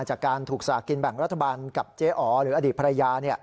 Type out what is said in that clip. จากการถูกสลากกินแบ่งรัฐบาลกับเจ๊อ๋อหรืออดีตภรรยา